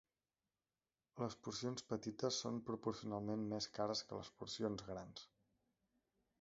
Les porcions petites són proporcionalment més cares que les porcions grans.